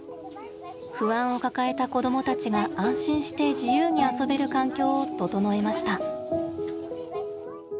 不安を抱えた子どもたちが安心して自由に遊べる環境を整えました。